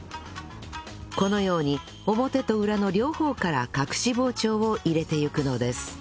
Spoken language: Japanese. このように表と裏の両方から隠し包丁を入れていくのです